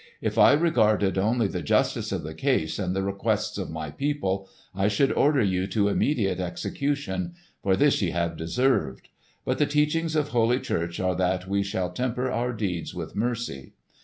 If I regarded only the justice of the case and the requests of my people, I should order you to immediate execution; for this ye have deserved. But the teachings of holy church are that we shall temper our deeds with mercy.